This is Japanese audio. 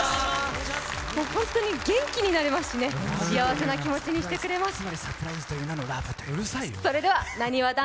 本当に元気になれますしね幸せな気分にしてくれます。